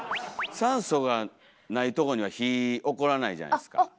酸素がないとこには火おこらないじゃないですか。